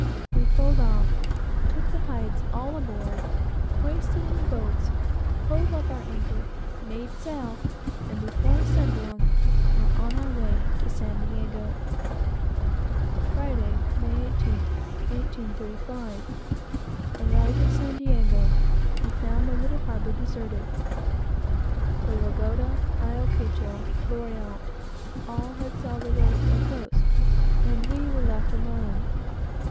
We pulled off; took the hides all aboard; hoisted in the boats; hove up our anchor; made sail; and before sundown, were on our way to San Diego. Friday, May 8th, 1835. Arrived at San Diego. Here we found the little harbor deserted. The Lagoda, Ayacucho, Loriotte, and all, had left the coast, and we were nearly alone.